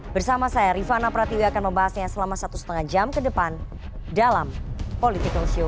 bersama saya rifana pratiwi akan membahasnya selama satu lima jam ke depan dalam political show